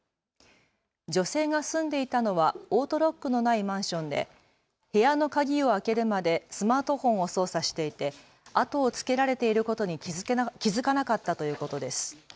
女性が住んでいたのはオートロックのないマンションで部屋の鍵を開けるまでスマートフォンを操作していて後をつけられていることに気付かなかったということです。